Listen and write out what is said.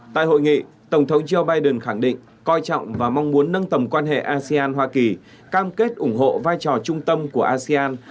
tại hội nghị tổng thống joe biden khẳng định coi trọng và mong muốn nâng tầm quan hệ asean hoa kỳ cam kết ủng hộ vai trò trung tâm của asean